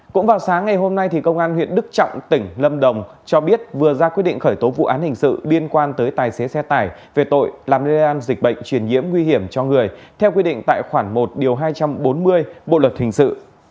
cũng vào sáng ngày hôm nay công an huyện đức trọng tỉnh lâm đồng cho biết vừa ra quyết định khởi tố vụ án hình sự liên quan tới tài xế xe tải về tội làm lây lan dịch bệnh truyền nhiễm nguy hiểm cho người theo quy định tại khoản một hai trăm bốn mươi bộ luật hình sự